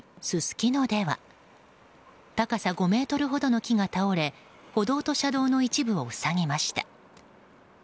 すすきのでは高さ５ｍほどの木が倒れ歩道と車道の一部を塞ぎました。